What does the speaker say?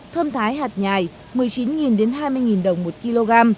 thơm thái hạt nhài một mươi chín hai mươi đồng một kg